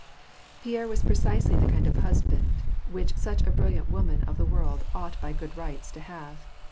Pierre was precisely the kind of a husband which such a brilliant woman of the world ought by good rights to have.